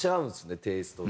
テイストが。